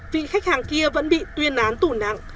vị khách hàng kia vẫn bị tuyên án tù nặng